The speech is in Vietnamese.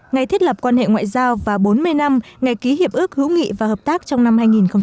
ngày thiết lập quan hệ ngoại giao và bốn mươi năm ngày ký hiệp ước hữu nghị và hợp tác trong năm hai nghìn một mươi chín